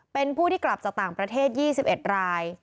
เป็นผู้ที่กลับจากต่างประเทศ๒๑ราย